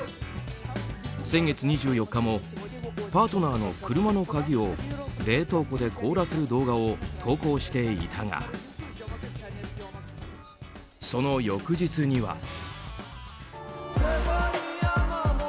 先月２４日もパートナーの車の鍵を冷凍庫で凍らせる動画を投稿していたがその翌日には。